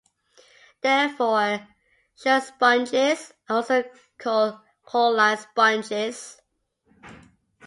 Therefore, sclerosponges are also called coralline sponges.